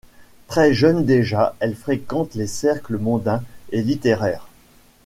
Très jeune déjà elle fréquente les cercles mondains et littéraires.